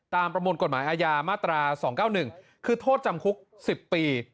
ตามประมวลกฎหมายอายามาตราสองเก้าหนึ่งคือโทษจำคุกสิบปี